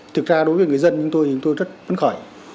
thực ra đối với người dân chúng tôi rất vấn khởi